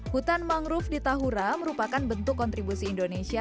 hutan mangrove di tahura merupakan bentuk kontribusi indonesia